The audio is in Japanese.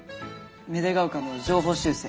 芽出ヶ丘の情報修正。